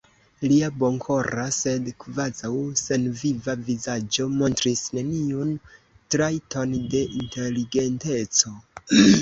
Lia bonkora, sed kvazaŭ senviva vizaĝo montris neniun trajton de inteligenteco.